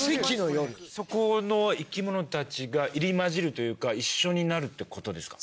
そこの生き物たちが入り交じるというか一緒になるってことですか？